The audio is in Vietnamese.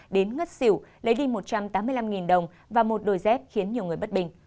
đến ngất xỉu lấy đi một trăm tám mươi năm đồng và một đôi dép khiến nhiều người bất bình